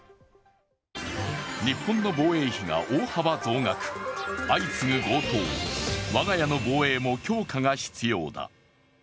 日本の防衛費が大幅増額、相次ぐ強盗、我が家の防衛も強化が必要だ。